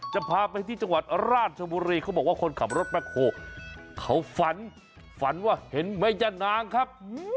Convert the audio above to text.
จะพาไปที่จังหวัดราชบุรีเขาบอกว่าคนขับรถแบ็คโฮเขาฝันฝันว่าเห็นแม่ย่านางครับ